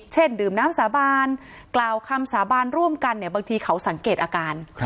ดื่มน้ำสาบานกล่าวคำสาบานร่วมกันเนี่ยบางทีเขาสังเกตอาการ